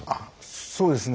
そうですね。